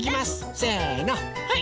せのはい！